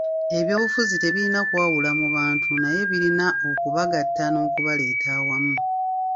Eby'obufuzi tebirina kwawula mu bantu naye birina okubagatta n'okubaleeta awamu.